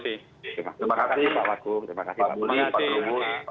terima kasih pak wakum terima kasih pak budi pak trubus